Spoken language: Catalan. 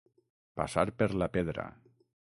Passar per la pedra.